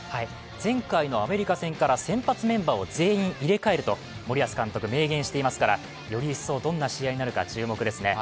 前回のアメリカ戦から先発メンバーを全員入れ替えると森保監督、明言していますからより一層、どんな試合になるか注目ですね。